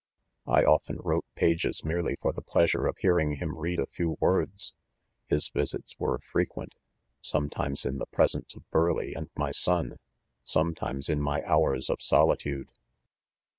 4 1 often wrote pages merely fo? the pleasure of hearing him read a few words, His visits were frequent ; sometimes in the presence of Burleigh and my son 5 sometimes in my hours of solitude.